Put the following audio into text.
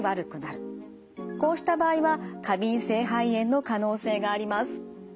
こうした場合は過敏性肺炎の可能性があります。